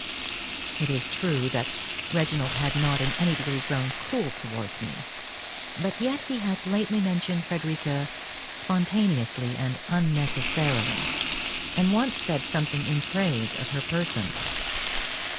It is true that Reginald had not in any degree grown cool towards me; but yet he has lately mentioned Frederica spontaneously and unnecessarily, and once said something in praise of her person.